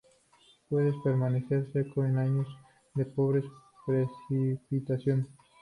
Puede permanecer seco en años de pobres precipitaciones.